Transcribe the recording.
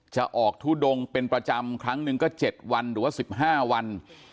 จะออกทุดงเป็นประจำครั้งหนึ่งก็๗วันหรือว่า๑๕วัน